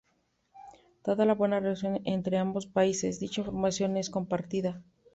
Dada la buena relación entre ambos países, dicha información en compartida.